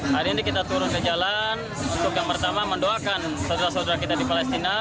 hari ini kita turun ke jalan untuk yang pertama mendoakan saudara saudara kita di palestina